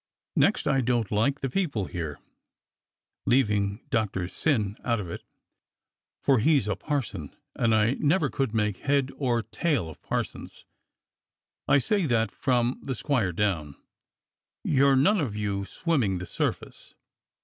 "Next, I don't like the people here, leaving Doctor Syn out of it — for he's a parson and I never could make head or tail of parsons. I say that, from the squire down, you're none of you swimming the surface.